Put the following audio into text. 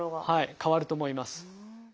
変わると思います。